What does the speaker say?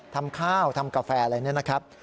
ทำข้าวทำกาแฟอะไรเนี่ยนะครับ